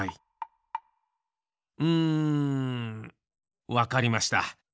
うんわかりました。